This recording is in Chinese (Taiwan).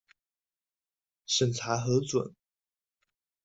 審查核准